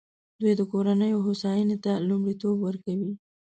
دوی د کورنیو هوساینې ته لومړیتوب ورکوي.